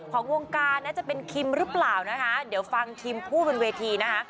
ของวงการนะจะเป็นคิมหรือเปล่านะคะเดี๋ยวฟังคิมพูดบนเวทีนะคะ